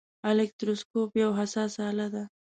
الکتروسکوپ یوه حساسه آله ده.